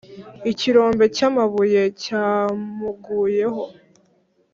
Ikirombe cyamabuye cyamuguyeho